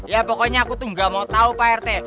ya pokoknya aku tuh gak mau tahu pak rt